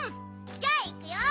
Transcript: じゃあいくよ。